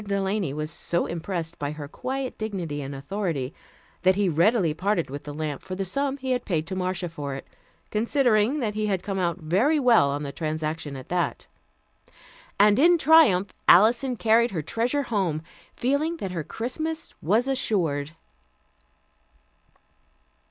Delany was so impressed by her quiet dignity and authority that he readily parted with the lamp for the sum he had paid to Marcia for it, considering that he had come out very well on the transaction at that. And in triumph Alison carried her treasure home, feeling that her Christmas was assured.